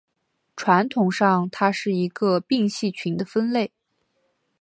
传统上它是一个并系群的分类。